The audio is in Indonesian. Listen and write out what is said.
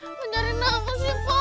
ngajarin apa sih pok